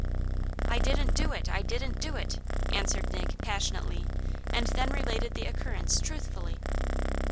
"I didn't do it! I didn't do it!" answered Nig, passionately, and then related the occurrence truthfully.